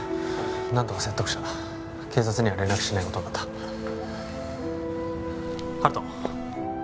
何とか説得した警察には連絡しないことになった温人